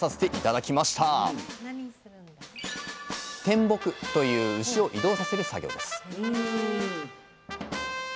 「転牧」という牛を移動させる作業です